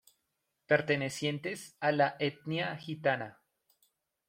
Pertenecientes a la etnia gitana.